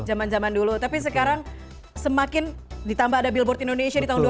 zaman zaman dulu tapi sekarang semakin ditambah ada billboard indonesia di tahun dua ribu dua